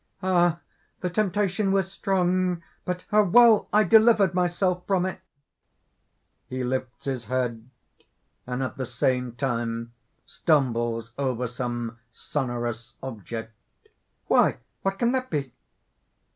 _) "Ah! the temptation was strong! But how well I delivered myself from it!" (He lifts his head, and at the same time stumbles over some sonorous object.) "Why! what can that be?"